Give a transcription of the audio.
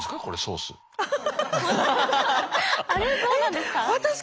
あれそうなんですか？